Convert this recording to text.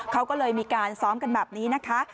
เขาก็เลยมีการซ้อมกันแบบนี้นะคะ